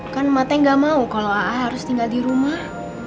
kan mateng gak mau kalau aa harus tinggal di rumah